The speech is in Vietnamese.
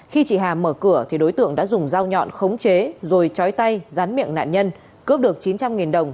khi chị hà mở cửa thì đối tượng đã dùng dao nhọn khống chế rồi trói tay rán miệng nạn nhân cướp được chín trăm linh đồng